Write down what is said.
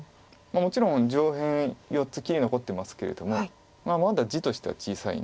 もちろん上辺４つ切り残ってますけれどもまだ地としては小さい。